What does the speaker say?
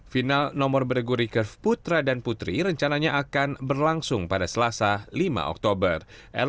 final nomor bergu recurf putra dan putri rencananya akan berlangsung pada selasa lima oktober